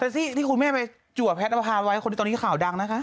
แต่ที่คุณแม่ไปจัวแพทย์ประพานไว้คนที่ตอนนี้ข่าวดังนะคะ